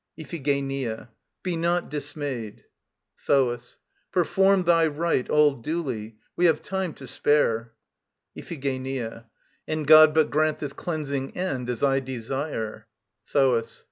IPHIGENIA. Be not dismayed. THOAS. Perform thy rite all duly. We have time to spare. IPHIGENIA. And God but grant this cleansing end as I desire! THOAS.